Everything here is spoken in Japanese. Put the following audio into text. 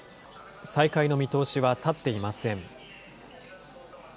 再開の見通しは立っていません。